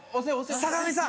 坂上さん。